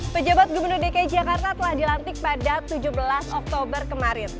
pejabat gubernur dki jakarta telah dilantik pada tujuh belas oktober kemarin